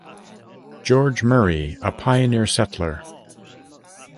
George Murray, a pioneer settler.